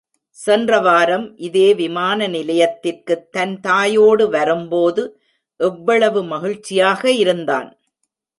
சென்ற வாரம் இதே விமானநிலையத்திற்கு தன் தாயோடு வரும்போது எவ்வளவு மகிழ்ச்சியாக இருந்தான்.